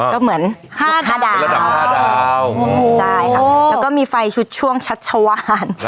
ก็เหมือนห้าดาวระดับห้าดาวโอ้โหใช่ค่ะแล้วก็มีไฟชุดช่วงชัดชวาน